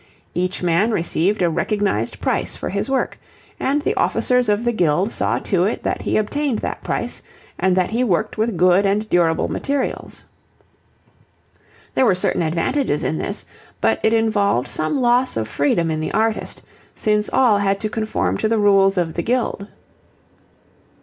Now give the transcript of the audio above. Each man received a recognized price for his work, and the officers of the guild saw to it that he obtained that price and that he worked with good and durable materials. There were certain advantages in this, but it involved some loss of freedom in the artist, since all had to conform to the rules of the guild.